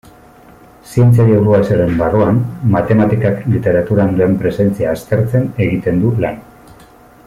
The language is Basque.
Zientzia-dibulgazioaren barruan, matematikak literaturan duen presentzia aztertzen egiten du lan.